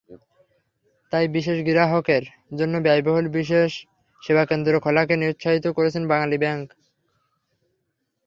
তাই বিশেষ গ্রাহকের জন্য ব্যয়বহুল বিশেষ সেবাকেন্দ্র খোলাকে নিরুৎসাহিত করেছে বাংলাদেশ ব্যাংক।